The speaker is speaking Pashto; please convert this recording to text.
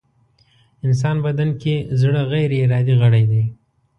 انسان بدن کې زړه غيري ارادې غړی دی.